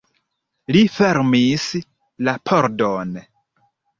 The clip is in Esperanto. Li fermis la pordon.